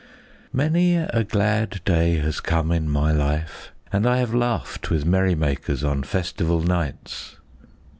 Many a glad day has come in my life, and I have laughed with merrymakers on festival nights.